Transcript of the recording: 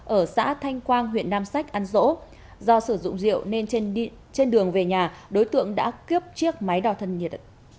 ở xã thanh quang huyện nam sách an dỗ do sử dụng rượu nên trên đường về nhà đối tượng đã kiếp chiếc máy đo thân nhiệt